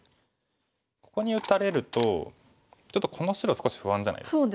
ここに打たれるとちょっとこの白少し不安じゃないですか。